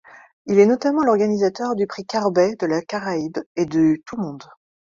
Il est notamment l'organisateur du prix Carbet de la Caraïbe et du Tout-Monde.